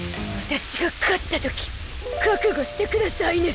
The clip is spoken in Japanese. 私が勝ったとき覚悟してくださいね！